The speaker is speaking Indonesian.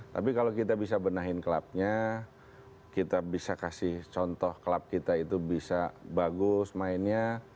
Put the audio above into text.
tapi kalau kita bisa benahin klubnya kita bisa kasih contoh klub kita itu bisa bagus mainnya